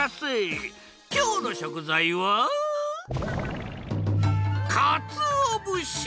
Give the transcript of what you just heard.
きょうのしょくざいはかつおぶし！